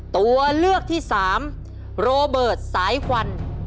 ตัวเลือกที่สามโรเบิร์ตสายควัน